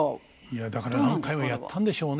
いやだから何回もやったんでしょうね。